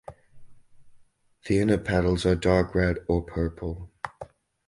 The inner petals are dark red or purple.